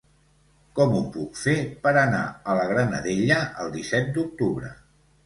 Com ho puc fer per anar a la Granadella el disset d'octubre?